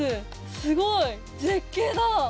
すごい！絶景だ。